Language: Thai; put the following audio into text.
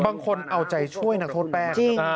บางคนเอาใจช่วยนักโทษแป้งครับ